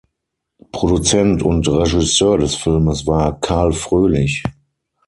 Produzent und Regisseur des Filmes war Carl Froelich.